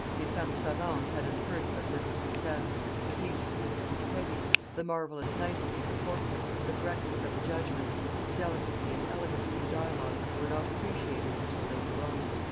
Les Femmes Savantes had at first but little success; the piece was considered heavy; the marvellous nicety of the portraits, the correctness of the judgments, the delicacy and elegance of the dialogue, were not appreciated until later on.